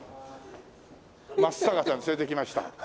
松坂さん連れてきました。